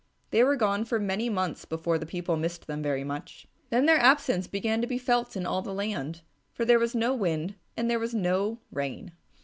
They were gone for many months before the people missed them very much. Then their absence began to be felt in all the land, for there was no wind and there was no rain.